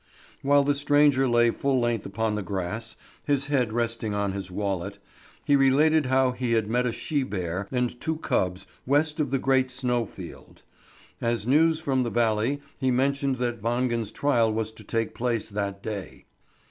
While the stranger lay full length upon the grass, his head resting on his wallet, he related how he had met a she bear and two cubs west of the Great Snow field. As news from the valley, he mentioned that Wangen's trial was to take place that day.